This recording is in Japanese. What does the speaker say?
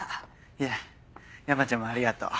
いや山ちゃんもありがとう。